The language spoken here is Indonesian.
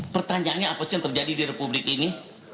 pertanyaannya apa sih yang terjadi di republik ini